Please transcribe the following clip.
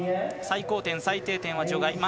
最高点、最低点は除外。